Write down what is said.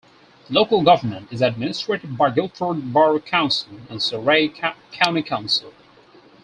Local government is administered by Guildford Borough Council and Surrey County Council.